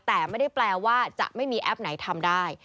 แต่ไม่ได้แปลว่าจะไม่มีแอปไหนทำได้